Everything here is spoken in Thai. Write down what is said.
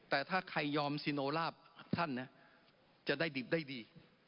แต่ถ้าใครยอมสิโนลาบท่านจะได้ดี